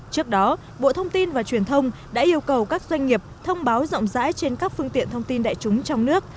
trước đó bộ thông tin và truyền thông đã yêu cầu các doanh nghiệp thông báo rộng rãi trên các phương tiện thông tin đại chúng trong nước